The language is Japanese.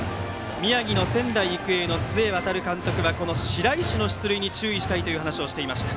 宮城の仙台育英の須江航監督はこの白石の出塁に注意したいと話していました。